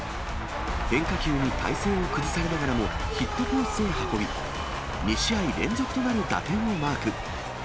変化球に体勢を崩されながらも、ヒットコースへ運び、２試合連続となる打点をマーク。